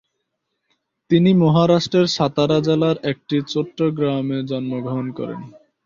তিনি মহারাষ্ট্রের সাতারা জেলার একটি ছোট গ্রামে জন্মগ্রহণ করেন।